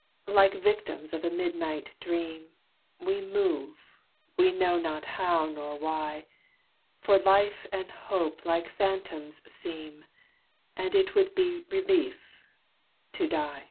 Like victims of a midnight dream, We move, we know not how nor why; For life and hope like phantoms seem, And it would be relief to die!